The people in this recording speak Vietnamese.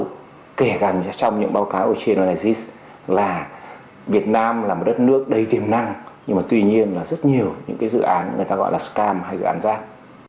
tôi kể gần trong những báo cáo trên oasis là việt nam là một đất nước đầy tiềm năng nhưng mà tuy nhiên là rất nhiều những dự án người ta gọi là scam hay dự án giác